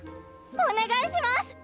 お願いします！